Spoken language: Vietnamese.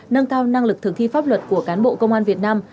nâng cao năng lực thực thi pháp luật của cán bộ công an việt nam